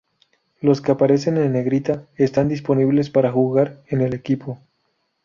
Los que aparecen en Negrita están disponibles para jugar en el equipo.